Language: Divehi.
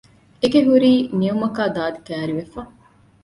އެގެ ހުރީ ނިމުމަކާ ދާދި ކައިރިވެފަ